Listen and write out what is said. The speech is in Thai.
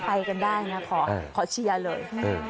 ไปกันได้นะขอเชียร์เลย